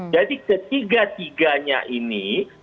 jadi ketiga tiganya ini